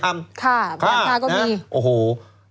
ค่ะบรรทาก็มี